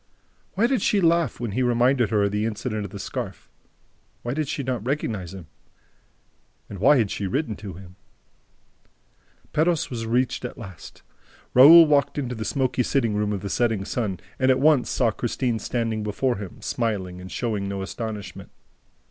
Why did she laugh when he reminded her of the incident of the scarf? Why did she not recognize him? And why had she written to him? ... Perros was reached at last. Raoul walked into the smoky sitting room of the Setting Sun and at once saw Christine standing before him, smiling and showing no astonishment.